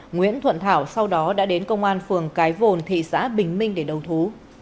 nguyễn thuận thảo sau đó đã đến công an phường cái vồn thị xã bình minh để đầu thú